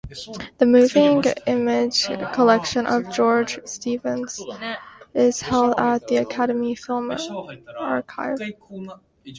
The moving image collection of George Stevens is held at the Academy Film Archive.